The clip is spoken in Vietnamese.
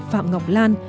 phạm ngọc lan